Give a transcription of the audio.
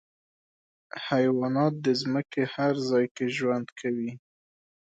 حیوانات د ځمکې هر ځای کې ژوند کوي.